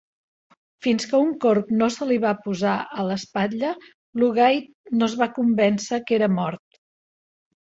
Fins que un corb no se li va posar a l'espatlla, Lugaid no es va convèncer que era mort.